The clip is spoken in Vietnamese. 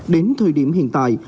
đến thời điểm hiện tại